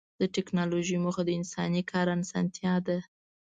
د ټکنالوجۍ موخه د انساني کار اسانتیا ده.